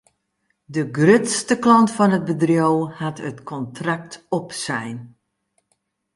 De grutste klant fan it bedriuw hat it kontrakt opsein.